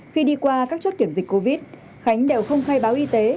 khi đi qua các chốt kiểm dịch covid khánh đều không khai báo y tế